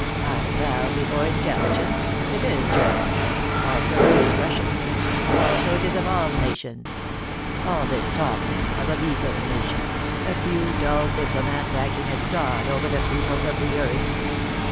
"I bow before intelligence. It is German. Also it is Russian. Also it is of all nations. All this talk now, of a League of Nations, a few dull diplomats acting as God over the peoples of the earth!"